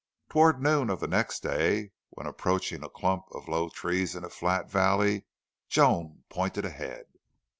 Toward noon of the next day, when approaching a clump of low trees in a flat valley, Joan pointed ahead.